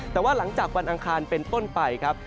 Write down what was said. แต่ว่าหลังจากวันอังคารเป็นต้นไปครับ